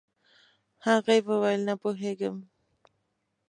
هغې وويل نه پوهيږم.